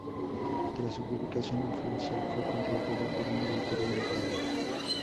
Tras su publicación en Francia, fue contratada por una editorial gala.